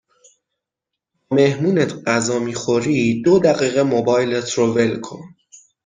با مهمونت غذا میخوری دو دقیقه موبایلت رو ول کن